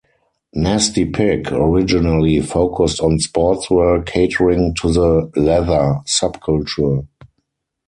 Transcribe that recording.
Nasty Pig originally focused on sportswear catering to the leather subculture.